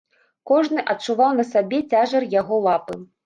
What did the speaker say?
Кожны адчуваў на сабе цяжар яго лапы.